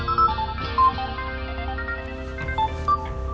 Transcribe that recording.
pukul tiga kali